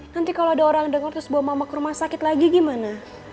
nanti kalau ada orang denger terus bawa mama ke rumah sakit lagi gimana